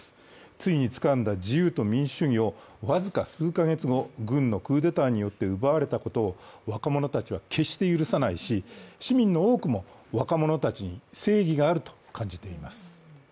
ついにつかんだ自由と民主主義を僅か数か月後、軍のクーデターによって奪われたことを若者たちは決して許さないし、市民の多くも若者たちに正義があると感じています。